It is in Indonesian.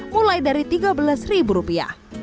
mulai dari tiga belas ribu rupiah